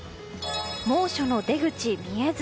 猛暑の出口見えず。